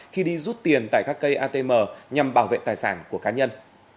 khi đi rút tiền tại các cây atm nhằm bảo vệ tài sản của cá nhân